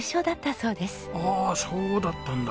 ああそうだったんだ。